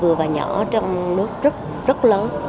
vừa và nhỏ trong nước rất lớn